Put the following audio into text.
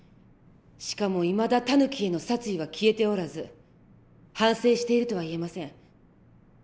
しかもいまだタヌキへの殺意は消えておらず反省しているとは言えません。